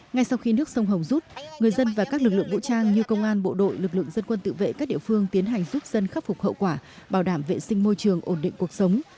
ngay sau khi nước sông hồng rút người dân và các lực lượng vũ trang như công an bộ đội lực lượng dân quân tự vệ các địa phương tiến hành giúp dân khắc phục hậu quả bảo đảm vệ sinh môi trường ổn định cuộc sống